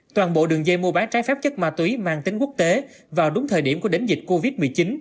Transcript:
toàn bộ đường dây mua bán trái phép chất ma túy mang tính quốc tế vào đúng thời điểm của đỉnh dịch covid một mươi chín